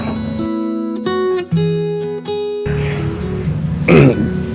kamu cantik sekali